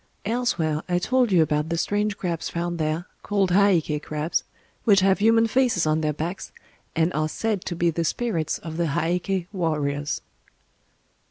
Elsewhere I told you about the strange crabs found there, called Heiké crabs, which have human faces on their backs, and are said to be the spirits of the Heiké warriors.